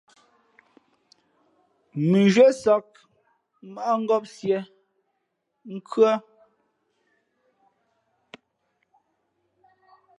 Mʉnzhwě sāk, mmάʼ ngāp siē , nkhʉ́ά.